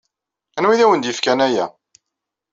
Anwa ay awen-d-yefkan aya?